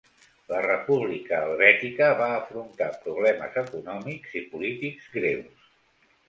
La República Helvètica va afrontar problemes econòmics i polítics greus.